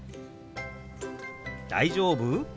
「大丈夫？」